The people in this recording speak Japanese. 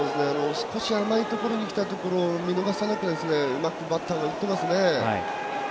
少し甘いところにきたところを見逃さなくうまくバッターが打ってますね。